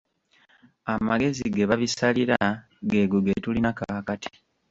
Amagezi ge babisalira geego ge tulina kaakati.